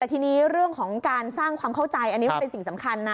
แต่ทีนี้เรื่องของการสร้างความเข้าใจอันนี้มันเป็นสิ่งสำคัญนะ